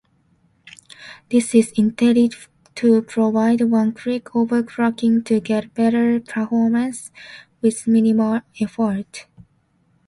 This is intended to provide "one-click overclocking" to get better performance with minimal effort.